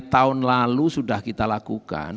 tahun lalu sudah kita lakukan